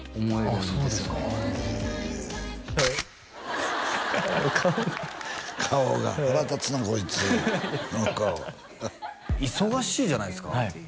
そうですかへえ顔が顔が腹立つなこいつ何か忙しいじゃないですか